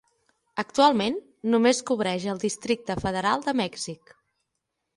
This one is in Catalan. Actualment, només cobreix el Districte Federal de Mèxic.